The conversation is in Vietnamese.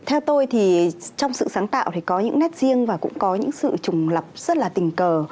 theo tôi thì trong sự sáng tạo thì có những nét riêng và cũng có những sự trùng lập rất là tình cờ